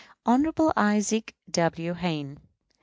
Hon. Isaac W. Hayne.